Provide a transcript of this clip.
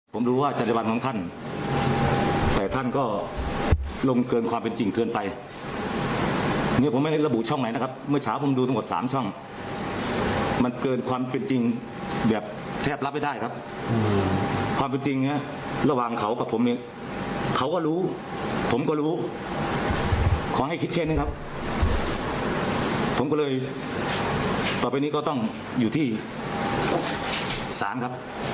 ผมก็เลยต่อไปนี้ก็ต้องอยู่ที่ศาลครับ